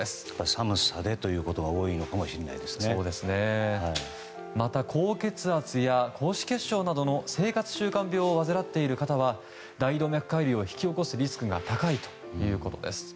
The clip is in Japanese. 寒さでということがまた、高血圧や高脂血症などの生活習慣病を患っている方は大動脈解離を引き起こすリスクが高いということです。